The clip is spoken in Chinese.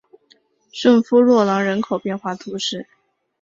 圣夫洛朗人口变化图示